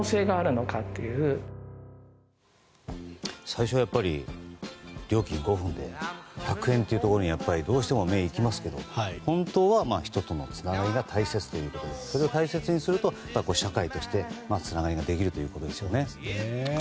最初は、料金５分で１００円というところにやっぱりどうしても目が行きますけど本当は人とのつながりが大切ということで、それを大切にすると社会としてつながりができるということですね。